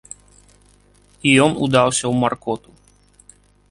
І ён удаўся ў маркоту.